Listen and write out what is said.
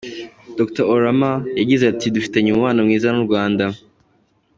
Dr Oramah yagize ati “Dufitanye umubano mwiza n’u Rwanda.